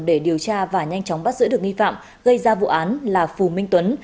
để điều tra và nhanh chóng bắt giữ được nghi phạm gây ra vụ án là phù minh tuấn